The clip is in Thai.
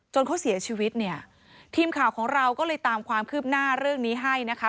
เขาเสียชีวิตเนี่ยทีมข่าวของเราก็เลยตามความคืบหน้าเรื่องนี้ให้นะคะ